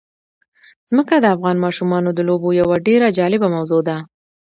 ځمکه د افغان ماشومانو د لوبو یوه ډېره جالبه موضوع ده.